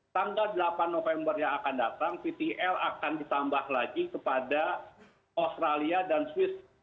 tanggal delapan november yang akan datang vtl akan ditambah lagi kepada australia dan swiss